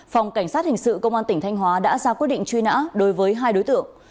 phòng cảnh sát hình sự công an tỉnh thanh hóa đã ra quyết định truy nã đối với hai đối tượng